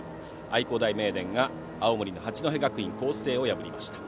愛工大名電が青森の八戸学院光星を破りました。